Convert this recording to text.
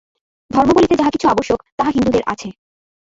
ধর্ম বলিতে যাহা কিছু আবশ্যক, তাহা হিন্দুদের আছে।